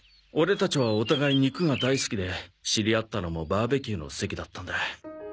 オレたちはお互い肉が大好きで知り合ったのもバーベキューの席だったんだ。